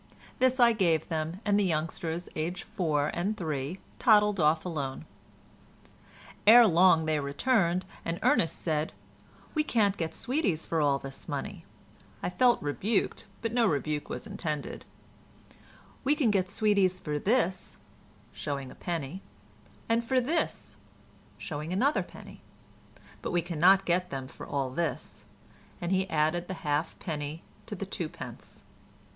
This I gave them, and the youngsters, aged four and three, toddled off alone. Ere long they returned, and Ernest said, "We can't get sweeties for all this money" (I felt rebuked, but no rebuke was intended); "we can get sweeties for this" (showing a penny), "and for this" (showing another penny), "but we cannot get them for all this," and he added the halfpenny to the two pence.